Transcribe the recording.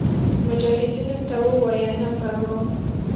مجاهدینو ته ووایه نه پروا.